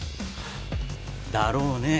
だろうね。